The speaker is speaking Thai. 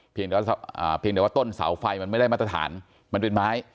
เพียงแต่ว่าต้นเสาไฟมันไม่ได้มาตรฐานมันเป็นไม้